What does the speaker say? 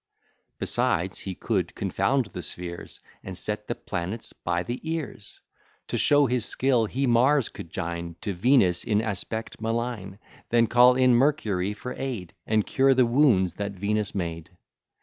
Besides, he could confound the spheres, And set the planets by the ears; To show his skill, he Mars could join To Venus in aspect malign; Then call in Mercury for aid, And cure the wounds that Venus made.